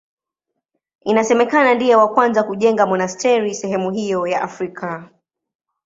Inasemekana ndiye wa kwanza kujenga monasteri sehemu hiyo ya Afrika.